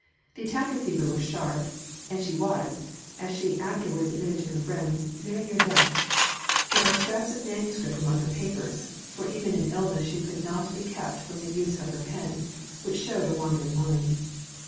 The attack of fever was sharp, and she was, as she afterwards admitted to her friends, "very near to death." There are scraps of manuscript among her papers (for even in illness she could not be kept from the use of her pen) which show a wandering mind.